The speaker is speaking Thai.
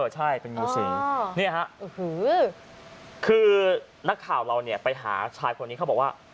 ใช่เป็นงูสิงคือนักข่าวเราเนี่ยไปหาชายคนนี้เขาบอกว่า